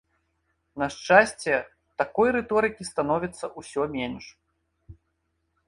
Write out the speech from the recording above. На шчасце, такой рыторыкі становіцца ўсё менш.